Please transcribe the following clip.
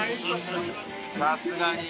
さすがに。